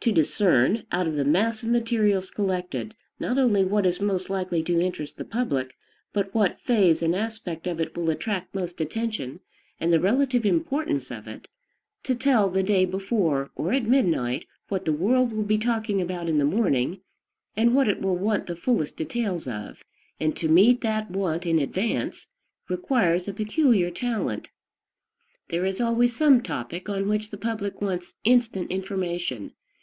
To discern out of the mass of materials collected not only what is most likely to interest the public, but what phase and aspect of it will attract most attention, and the relative importance of it; to tell the day before or at midnight what the world will be talking about in the morning, and what it will want the fullest details of, and to meet that want in advance, requires a peculiar talent. There is always some topic on which the public wants instant information.